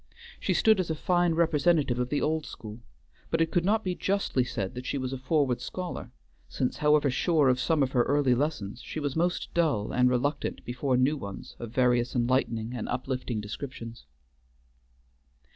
She stood as a fine representative of the old school, but it could not be justly said that she was a forward scholar, since, however sure of some of her early lessons, she was most dull and reluctant before new ones of various enlightening and uplifting descriptions.